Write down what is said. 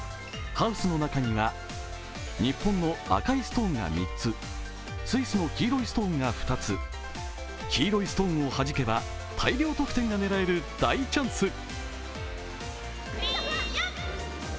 ハウスの中には日本の赤いストーンが３つスイスの黄色いストーンが２つ、黄色いストーンをはじけば大量得点が狙える大チャンス。